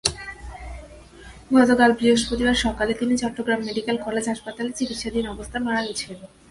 গতকাল বৃহস্পতিবার সকালে তিনি চট্টগ্রাম মেডিকেল কলেজ হাসপাতালে চিকিৎসাধীন অবস্থায় মারা গেছেন।